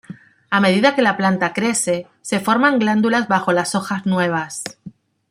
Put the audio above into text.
A medida que la planta crece, se forman glándulas bajo las hojas nuevas.